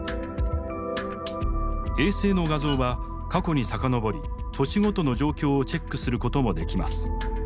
衛星の画像は過去に遡り年ごとの状況をチェックすることもできます。